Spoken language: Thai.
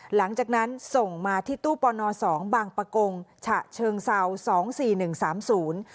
หลังจากนั้นส่งมาที่ตู้ปอนอสองบางประกงฉะเชิงเซาสองสี่หนึ่งสามศูนย์